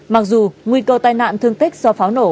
mặc dù nguy cơ tai nạn thương tích do pháo nổ